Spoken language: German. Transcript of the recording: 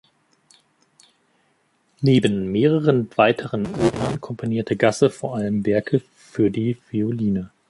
Neben mehreren weiteren Opern komponierte Gasse vor allem Werke für die Violine.